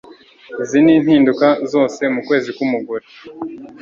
Izi ni mpimduka zose mu kwezi k'umugore